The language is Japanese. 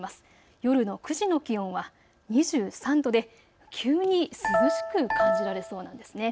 夜の９時の気温は２３度で急に涼しく感じられそうなんです。